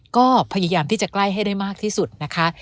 ก็พยายามที่จะใกล้ให้ได้มากที่สุดนะคะ